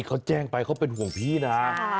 เขาแจ้งไปเขาเป็นห่วงพี่นะ